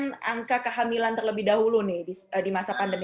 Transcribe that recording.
mengangkat kehamilan terlebih dahulu nih di masa pandemi